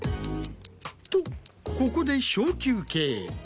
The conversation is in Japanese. とここで小休憩。